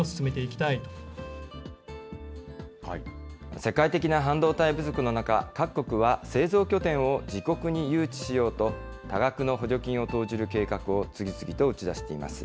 世界的な半導体不足の中、各国は製造拠点を自国に誘致しようと、多額の補助金を投じる計画を次々と打ち出しています。